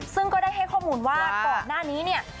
ซึ่งก็ได้ให้ข้อมูลว่าก่อนหน้านี้เนี่ย